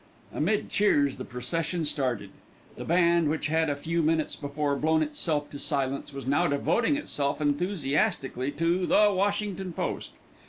Amid cheers the procession started. The band, which had a few minutes before blown itself to silence, was now devoting itself enthusiastically to "The Washington Post."